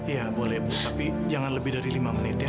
ya boleh bu tapi jangan lebih dari lima menit ya